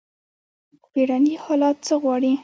بیړني حالات څه غواړي؟